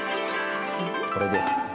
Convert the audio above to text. これです。